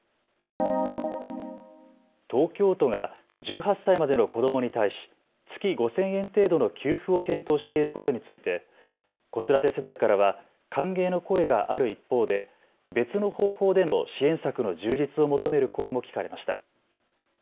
東京都が１８歳までの子どもに対し、月５０００円程度の給付を検討していることについて子育て世代からは歓迎の声がある一方で別の方法での支援策の充実を求める声も聞かれました。